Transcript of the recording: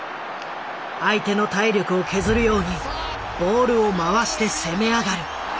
相手の体力を削るようにボールを回して攻め上がる。